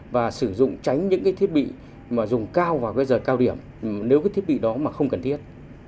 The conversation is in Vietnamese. và sử dụng tránh những thiết bị dùng cao vào giờ cao điểm nếu thiết bị đó không cần thiết